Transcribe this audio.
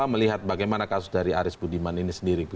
melihat bagaimana kasus dari aris budiman ini sendiri